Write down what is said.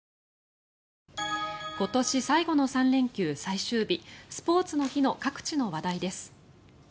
今年最後の３連休最終日スポーツの日の各地の話題です。